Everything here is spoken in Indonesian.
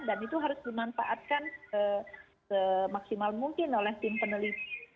dan itu harus dimanfaatkan semaksimal mungkin oleh tim peneliti